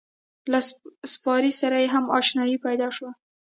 له سپارې سره یې هم اشنایي پیدا شوه.